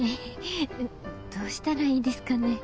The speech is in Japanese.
どうしたらいいですかね。